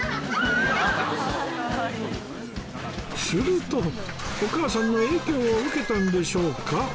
するとお母さんの影響を受けたんでしょうか？